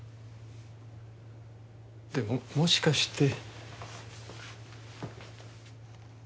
でももしかして。